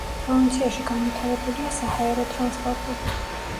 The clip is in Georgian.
პროვინციაში განვითარებულია საჰაერო ტრანსპორტი.